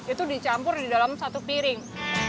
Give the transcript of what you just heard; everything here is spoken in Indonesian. itu dicampur di dalam satu piring